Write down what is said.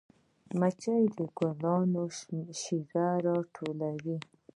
مچۍ د ګلانو شیره راټولوي